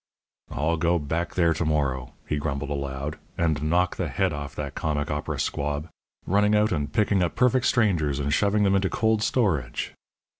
"I'll go back there to morrow," he grumbled aloud, "and knock the head off that comic opera squab. Running out and picking up perfect strangers, and shoving them into cold storage!"